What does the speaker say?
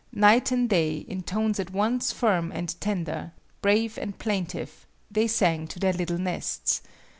Night and day, in tones at once firm and tender, brave and plaintive, they sang to their little nests.